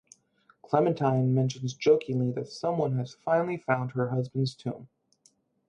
Clementine mentions jokingly that someone has finally found her husband's tomb.